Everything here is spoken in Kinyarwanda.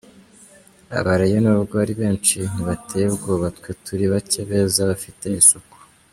Aba rayon nubwo ari benshi ntibateye ubwoba, Twe turi bake beza, bafite isuku.